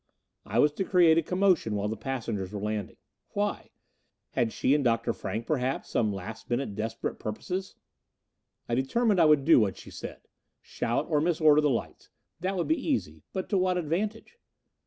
I was to create a commotion while the passengers were landing. Why? Had she and Dr. Frank, perhaps, some last minute desperate purposes? I determined I would do what she said. Shout, or mis order the lights. That would be easy. But to what advantage?